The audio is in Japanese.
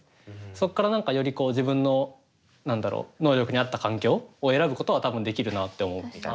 そこから何かよりこう自分の何だろう能力に合った環境を選ぶことは多分できるなって思ってたり。